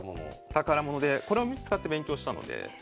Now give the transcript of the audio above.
宝物でこれを使って勉強したので。